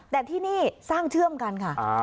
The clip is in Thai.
แต่ที่นี่สร้างเชื่อมกันค่ะ